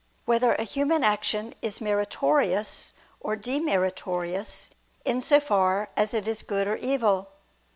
3] Whether a Human Action Is Meritorious or Demeritorious in So Far As It Is Good or Evil?